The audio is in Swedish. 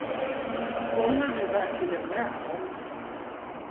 Håller du verkligen med dem?